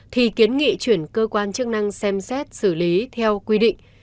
thì kiến nghị chuyển cơ quan chức năng xem xét xử lý theo quy định